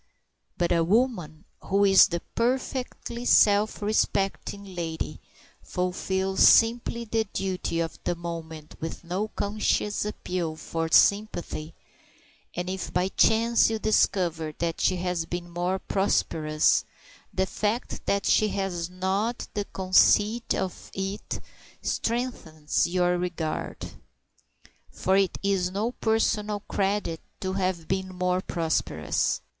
But a woman who is the perfectly self respecting lady fulfils simply the duty of the moment with no conscious appeal for sympathy; and if by chance you discover that she has been more prosperous, the fact that she has not the conceit of it strengthens your regard. For it is no personal credit to have been more prosperous.